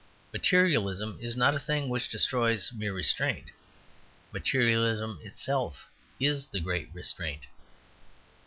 Materialism is not a thing which destroys mere restraint. Materialism itself is the great restraint.